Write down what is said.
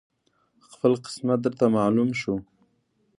خپل قسمت درته معلوم شو